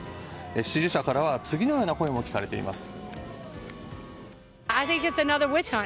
支持者からは次のような声も聞かれています。